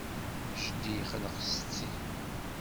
Jeddi yexneq setti.